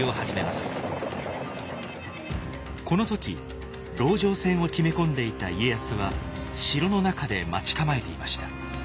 この時籠城戦を決め込んでいた家康は城の中で待ち構えていました。